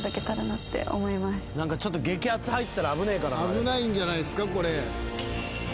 危ないんじゃないんすかこれ。